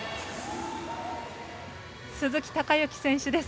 鈴木孝幸選手です。